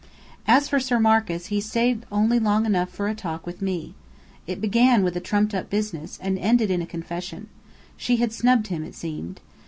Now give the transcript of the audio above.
As for Sir Marcus, he stayed only long enough for a talk with me. It began with trumped up business, and ended in a confession. She had snubbed him, it seemed.